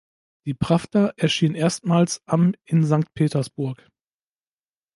Die "Prawda" erschien erstmals am in Sankt Petersburg.